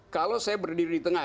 kalau saya berdiri di tengah